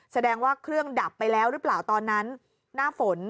แสดงว่าเครื่องดับไปแล้วหรือเปล่าตอนนั้นหน้าฝน